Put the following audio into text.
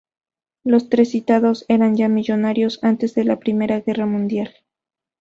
Los tres citados eran ya millonarios antes de la Primera Guerra Mundial.